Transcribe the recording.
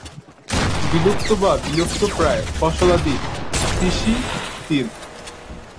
বিলুপ্ত বা বিলুপ্তপ্রায় ফসলাদি তিসি, তিল।